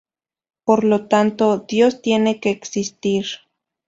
Por lo tanto, Dios tiene que existir".